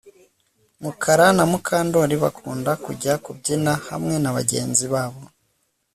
Mukara na Mukandoli bakunda kujya kubyina hamwe nabagenzi babo